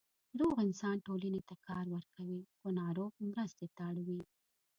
روغ انسان ټولنې ته کار ورکوي، خو ناروغ مرستې ته اړ وي.